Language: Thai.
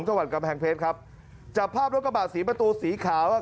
จังหวัดกำแพงเพชรครับจับภาพรถกระบะสีประตูสีขาวอ่ะ